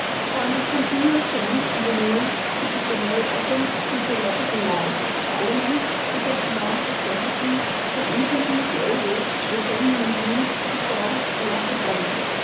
For in this continual change and renewal, which is the very essence of physio logical life, the elements, which have belonged successive ly from infancy to old age to the same human being, would form a colossal body.